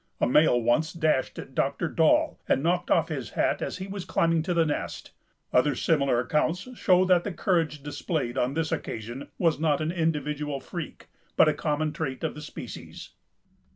A male once dashed at Dr. Dall and knocked off his hat as he was climbing to the nest; other similar accounts show that the courage displayed on this occasion was not an individual freak, but a common trait of the species."